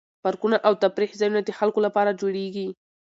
پارکونه او تفریح ځایونه د خلکو لپاره جوړیږي.